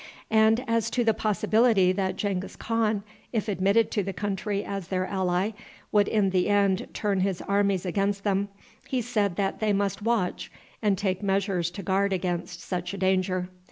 And as to the possibility that Genghis Khan, if admitted to the country as their ally, would in the end turn his arms against them, he said that they must watch, and take measures to guard against such a danger.